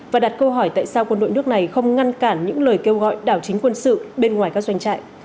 và đặt câu hỏi tại sao quân đội nước này không ngăn cản những lời kêu gọi đảo chính quân sự bên ngoài các doanh trại